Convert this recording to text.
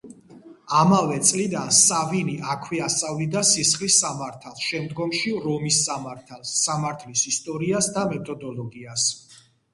ამავე წლიდან სავინი აქვე ასწავლიდა სისხლის სამართალს, შემდგომში რომის სამართალს, სამართლის ისტორიას და მეთოდოლოგიას.